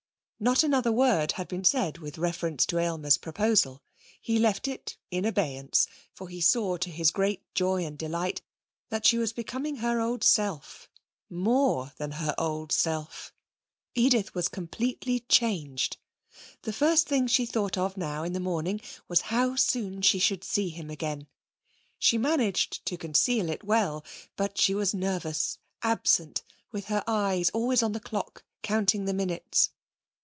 Not another word had been said with reference to Aylmer's proposal. He left it in abeyance, for he saw to his great joy and delight that she was becoming her old self, more than her old self. Edith was completely changed. The first thing she thought of now in the morning was how soon she should see him again. She managed to conceal it well, but she was nervous, absent, with her eyes always on the clock, counting the minutes.